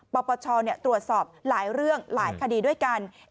ปราบประชาตร์ตรวจสอบหลายเรื่องหลายคดีด้วยกัน